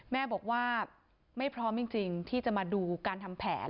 แม่บอกว่าไม่พร้อมจริงที่จะมาดูการทำแผน